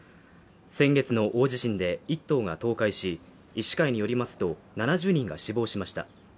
先月の大地震で、１棟が倒壊し、医師会によりますと、７０人が死亡しました。